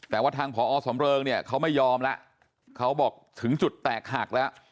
แต่ว่าทางพอสำเริงเนี่ยเขาไม่ยอมแล้วเขาบอกถึงจุดแตกหักแล้ว